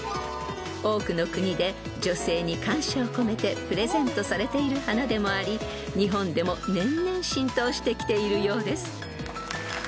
［多くの国で女性に感謝を込めてプレゼントされている花でもあり日本でも年々浸透してきているようです］